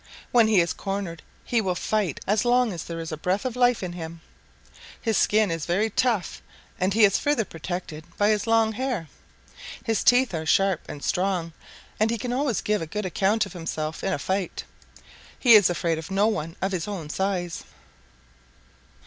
When he is cornered he will fight as long as there is a breath of life in him. His skin is very tough and he is further protected by his long hair. His teeth are sharp and strong and he can always give a good account of himself in a fight. He is afraid of no one of his own size.